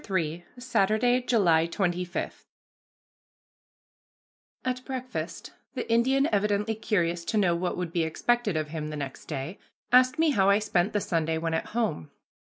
III SATURDAY, JULY 25 At breakfast, the Indian, evidently curious to know what would be expected of him the next day, asked me how I spent the Sunday when at home.